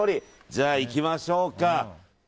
じゃあいきましょうか。